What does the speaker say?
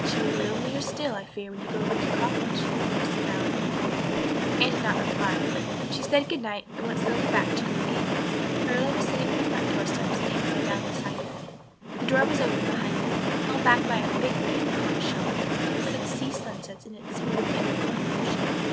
"She will be lonelier still, I fear, when you go away again to college," said Mrs. Allan. Anne did not reply; she said good night and went slowly back to green Gables. Marilla was sitting on the front door steps and Anne sat down beside her. The door was open behind them, held back by a big pink conch shell with hints of sea sunsets in its smooth inner convolutions.